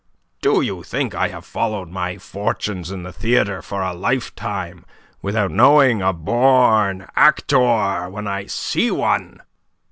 Do you think I have followed my fortunes in the theatre for a lifetime without knowing a born actor when I see one?